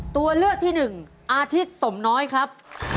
ตัวเลือกที่หนึ่งอาทิตย์สมน้อยครับ